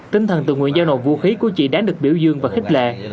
tinh thần tự nguyện giao nộp vũ khí của chị đáng được biểu dương và khích lệ